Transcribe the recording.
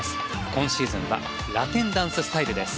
今シーズンはラテンダンススタイルです。